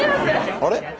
あれ？